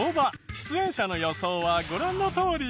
出演者の予想はご覧のとおり。